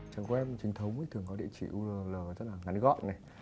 trang web truyền thống thường có địa chỉ url rất là ngắn gọn